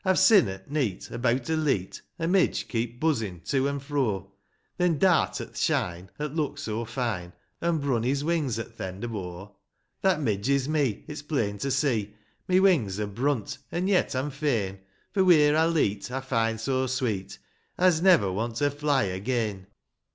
I've sin, at neet, abeawt a leet,' A midge keep buzzin' to an' fro, Then dart at th' shine, 'at looked so fine, And brun his wings at th' end of o' ;' That midge is me, it's plain to see, — My wings are brunt, an' yet, I'm fain ; For, wheer I leet,^ I find so sweet, I's never want to fly again